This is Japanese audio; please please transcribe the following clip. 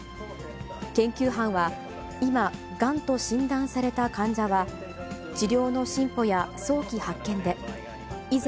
研究班は、今、がんと診断された患者は、治療の進歩や早期発見で、以上、